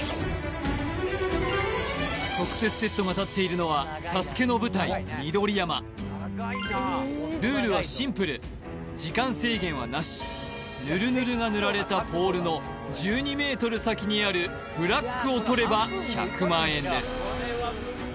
特設セットが立っているのはＳＡＳＵＫＥの舞台緑山ルールはシンプル時間制限はなしぬるぬるが塗られたポールの１２ｍ先にあるフラッグを取れば１００万円です